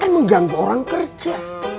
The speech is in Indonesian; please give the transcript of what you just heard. kan mengganggu orang kerja